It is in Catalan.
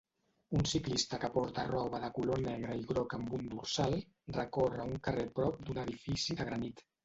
Un ciclista que porta roba de color negre i groc amb un dorsal recorre un carrer prop d'un edifici de granit.